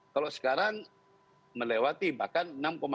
kalau sekarang melewati bahkan enam tujuh